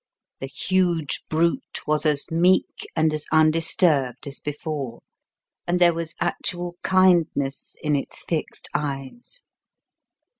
The huge brute was as meek and as undisturbed as before, and there was actual kindness in its fixed eyes.